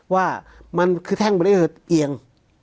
ว่ามันคือแท่งบริเวณเอียง